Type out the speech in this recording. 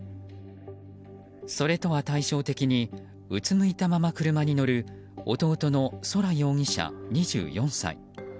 それとは対照的にうつむいたまま車に乗る弟の宇宙容疑者、２４歳。